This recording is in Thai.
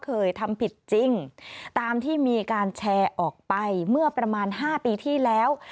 เคยทำผิดจริงตามที่มีการแชร์ออกไปเมื่อประมาณ๕ปีที่แล้ว